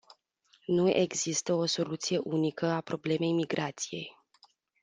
Nu există o soluție unică a problemei migrației.